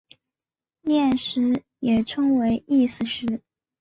念食也称为意思食。